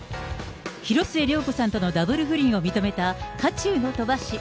広末涼子さんとのダブル不倫を認めた渦中の鳥羽氏。